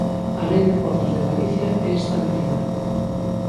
A Lei de portos de Galicia é estabilidade.